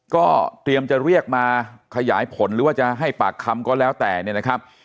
ก็เตรียมจะเรียกมาขยายผลหรือว่าจะให้ปากคำก็แล้วแต่เนี่ยนะครับ